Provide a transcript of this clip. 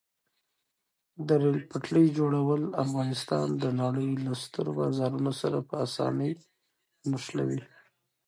د ریل پټلۍ جوړول افغانستان د نړۍ له سترو بازارونو سره په اسانۍ نښلوي.